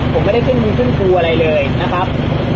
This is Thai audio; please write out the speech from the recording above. ผมไม่ได้ขึ้นมือขึ้นครูอะไรเลยนะครับ